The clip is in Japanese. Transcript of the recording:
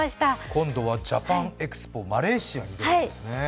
今度はジャパンエクスポマレーシアなんですね。